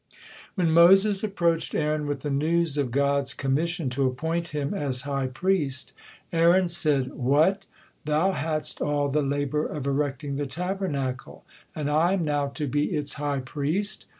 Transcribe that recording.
When Moses approached Aaron with the news of God's commission to appoint him as high priest, Aaron said: "What! Thou hadst all the labor of erecting the Tabernacle, and I am now to be its high priest!"